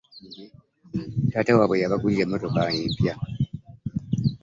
Taata wabwe yabagulira e mmotoka empya.